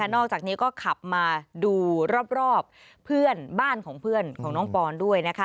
นอกจากนี้ก็ขับมาดูรอบเพื่อนบ้านของเพื่อนของน้องปอนด้วย